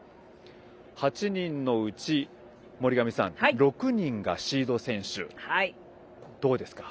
８人のうち、森上さん６人がシード選手ですがどうですか？